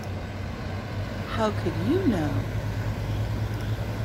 How could you know?